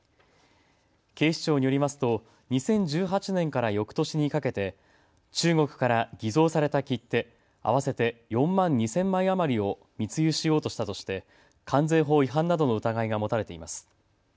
警視庁によりますと２０１８年からよくとしにかけて中国から偽造された切手合わせて４万２０００枚余りを密輸しようとしたとして関税法違反などの疑いが持たれています。